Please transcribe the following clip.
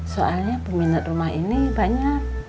soalnya peminat rumah ini banyak